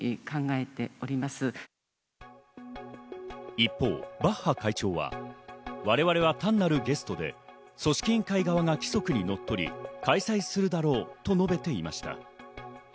一方、バッハ会長は、我々は単なるゲストで組織委員会側が規則に則り開催するだろうと述べていました。